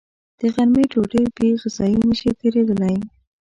د غرمې ډوډۍ بېغذايي نشي تېرېدلی